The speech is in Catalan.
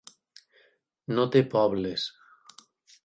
No té pobles.